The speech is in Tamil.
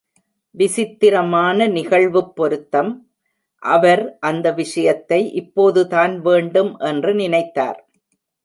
விசித்திரமான நிகழ்வுப் பொருத்தம்- அவர் அந்த விஷயத்தை இப்போது தான் வேண்டும் என்று நினைத்தார்.